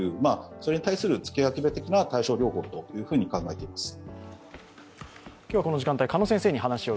それに対する付け焼き刃的な対症療法と考えています。